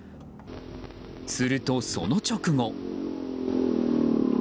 すると、その直後。